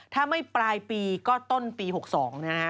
ถ้าไม่ปลายปีก็ต้นปี๖๒นะฮะ